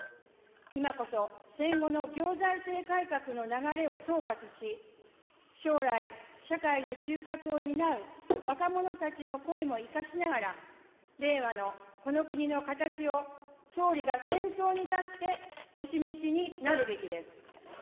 今こそ、戦後の行財政改革の流れを総括し、将来、社会の中核を担う若者たちの声も生かしながら、令和のこの国の形を、総理が先頭に立ってお示しになるべきです。